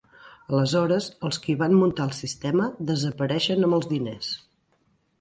Aleshores els qui van muntar el sistema desapareixen amb els diners.